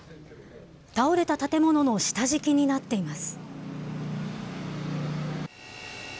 倒れた建物の下敷きになっています。